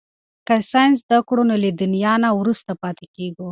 که ساینس زده کړو نو له دنیا نه وروسته پاتې کیږو.